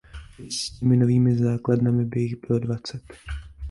Teď s těmi novými základnami by jich bylo dvacet.